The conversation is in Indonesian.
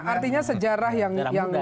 artinya sejarah yang